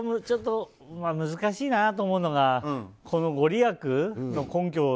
ちょっと難しいなと思うのがこの御利益の根拠